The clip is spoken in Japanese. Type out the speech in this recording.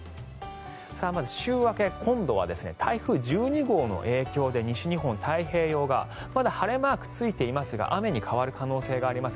まず週明け今度は台風１２号の影響で西日本太平洋側まだ晴れマークついていますが雨に変わる可能性があります。